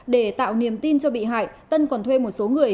để tạo niềm tin cho bị hại tân còn thuê một số người